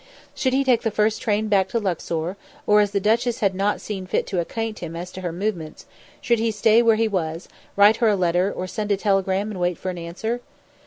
Should he take the first train back to Luxor, or, as the duchess had not seen fit to acquaint him as to her movements, should he stay where he was, write her a letter, or send a telegram and wait for an answer?